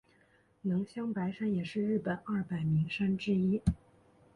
能乡白山也是日本二百名山之一。